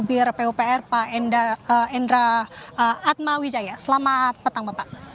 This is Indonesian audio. indra atma wijaya selamat petang bapak